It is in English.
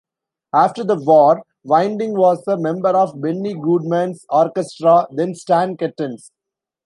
After the war, Winding was a member of Benny Goodman's orchestra, then Stan Kenton's.